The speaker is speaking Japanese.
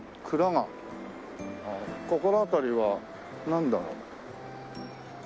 ここの辺りはなんだろう？